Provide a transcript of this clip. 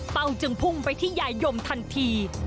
จึงพุ่งไปที่ยายยมทันที